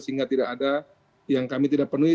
sehingga tidak ada yang kami tidak penuhi